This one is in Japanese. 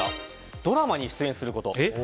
ドラマに出演すること。